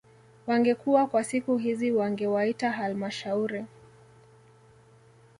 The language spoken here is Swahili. Wangekuwa kwa siku hizi wangewaita halmashauri